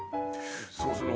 そうですね